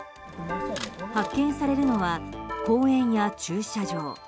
発見されるのは公園や駐車場。